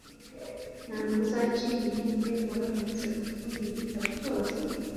ntabwo uzacika intege uramutse usomye igitabo cyose